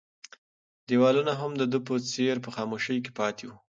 دیوالونه هم د ده په څېر په خاموشۍ کې پاتې وو.